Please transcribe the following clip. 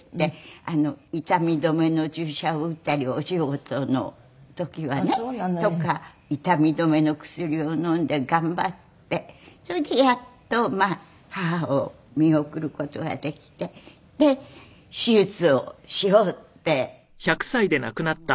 痛み止めの注射を打ったりお仕事の時はね。とか痛み止めの薬を飲んで頑張ってそれでやっとまあ母を見送る事ができてで手術をしようって思って。